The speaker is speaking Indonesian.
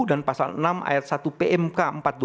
dan pasal enam ayat satu pmk empat dua ribu delapan belas